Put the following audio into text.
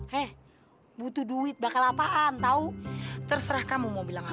hei butuh duit bakal apaan tau terserah kamu mau bilang apa